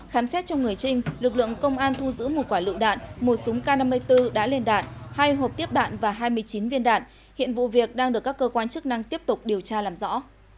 khám xét trong người trinh lực lượng công an thu giữ một quả lựu đạn một súng k năm mươi bốn đã lên đạn hai hộp tiếp đạn và hai mươi chín viên đạn hiện vụ việc đang được các cơ quan chức năng tiếp tục điều tra làm rõ